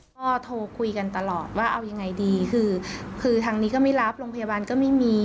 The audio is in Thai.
ก็โทรคุยกันตลอดว่าเอายังไงดีคือคือทางนี้ก็ไม่รับโรงพยาบาลก็ไม่มี